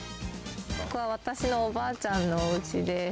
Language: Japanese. ここは私のおばあちゃんのおうちです。